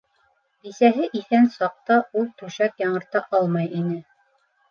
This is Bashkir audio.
Бисәһе иҫән саҡта ул түшәк яңырта алмай ине.